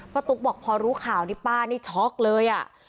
ตุ๊กบอกพอรู้ข่าวนี่ป้านี่ช็อกเลยอ่ะ